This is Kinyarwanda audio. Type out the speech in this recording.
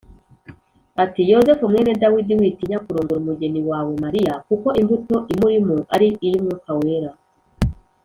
ati “Yosefu mwene Dawidi, witinya kurongora umugeni wawe Mariya, kuko imbuto imurimo ari iy’Umwuka Wera